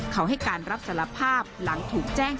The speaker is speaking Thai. เขาให้การรับสารภาพหลังถูกแจ้ง